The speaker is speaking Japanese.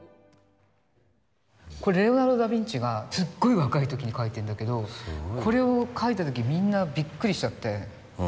これレオナルド・ダ・ヴィンチがすっごい若い時に描いてるんだけどこれを描いた時みんなびっくりしちゃって。